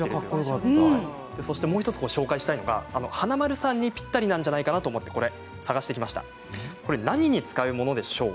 もう１つ紹介したいのが華丸さんにぴったりなんじゃないかなと思って探してきました。